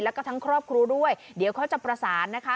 แล้วก็ทั้งครอบครัวด้วยเดี๋ยวเขาจะประสานนะคะ